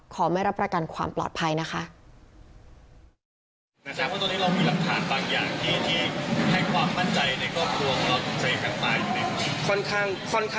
ไม่รับประกันความปลอดภัยนะคะ